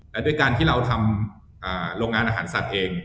และด้วยการที่เราทำโรงงานอาหารสัตว์เอง